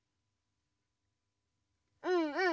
うんうん！